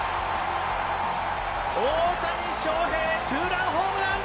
大谷翔平ツーランホームラン！